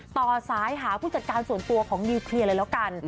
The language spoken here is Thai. ต่อสายหาผู้จัดการส่วนตัวของนิวเคลียร์เลยแล้วกัน